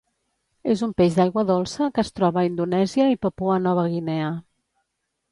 És un peix d'aigua dolça que es troba a Indonèsia i Papua-Nova Guinea.